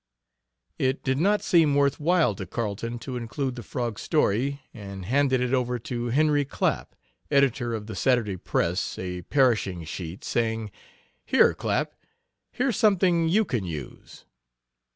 It did not seem worth while to Carleton to include the frog story, and handed it over to Henry Clapp, editor of the Saturday Press a perishing sheet saying: "Here, Clapp, here's something you can use."